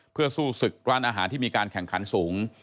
เพื่อสู้ศึกร้านอาหารที่มีการแข่งขันสูง